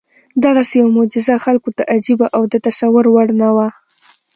دغسې یوه معجزه خلکو ته عجیبه او د تصور وړ نه وه.